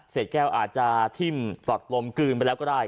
แก้วอาจจะทิ่มตัดลมกลืนไปแล้วก็ได้